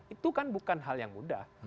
itu kan bukan hal yang mudah